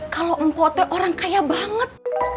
kalo mpok teh orang kaya banget